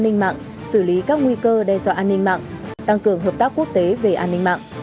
ninh mạng xử lý các nguy cơ đe dọa an ninh mạng tăng cường hợp tác quốc tế về an ninh mạng